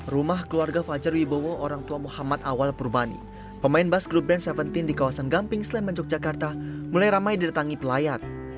rumah keluarga fajar wibowo orang tua muhammad awal purbani pemain bas grup band tujuh belas di kawasan gamping sleman yogyakarta mulai ramai didatangi pelayat